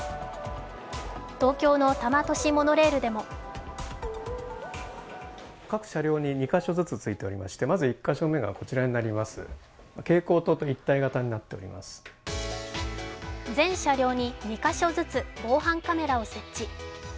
東京の多摩都市モノレールでも全車両に２か所ずつ防犯カメラを設置。